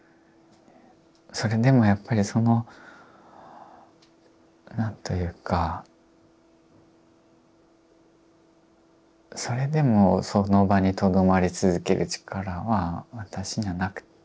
それでもやっぱりその何というかそれでもその場にとどまり続ける力は私にはなくって。